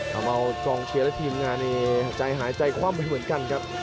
มาเอาจองเชียร์และทีมงานในหายใจความไม่เหมือนกันครับ